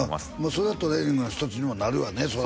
それトレーニングの一つにもなるわね